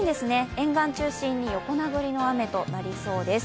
沿岸中心に横殴りの雨となりそうです。